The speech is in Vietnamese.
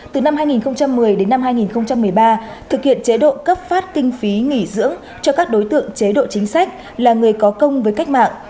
từ năm hai nghìn một mươi đến năm hai nghìn một mươi ba thực hiện chế độ cấp phát kinh phí nghỉ dưỡng cho các đối tượng chế độ chính sách là người có công với cách mạng